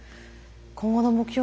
今後の目標